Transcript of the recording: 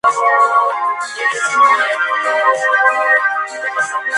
Pero ambos eran hijos con concubinas.